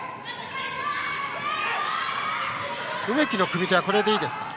梅木の組み手はこれでいいですか？